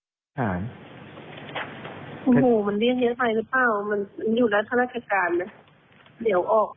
มันเรียกเยอะไปหรือเปล่ามันอยู่รัฐธนาคตการณ์นะเดี๋ยวออกไปเลยนี่